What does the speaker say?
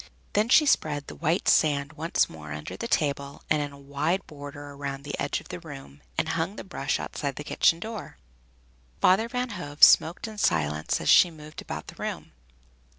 Then she spread the white sand once more under the table and in a wide border around the edge of the room, and hung the brush outside the kitchen door. Father Van Hove smoked in silence as she moved about the room.